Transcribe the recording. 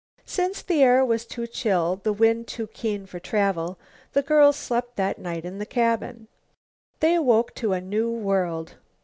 Since the air was too chill, the wind too keen for travel, the girls slept that night in the cabin. They awoke to a new world.